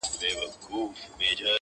• اچيل یې ژاړي، مړ یې پېزوان دی،